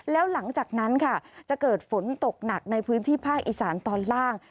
แล้วหลังจากนั้นค่ะจะเกิดฝนตกหนักในพื้นที่ภาคอีสานตอนล่าง